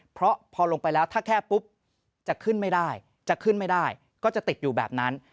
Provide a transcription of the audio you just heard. เพราะพอลงไปแล้วถ้าแคบปุ๊บจะขึ้นไม่ได้จะขึ้นไม่ได้ก็จะติดอยู่แบบนั้น